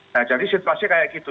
nah jadi situasi kayak gitu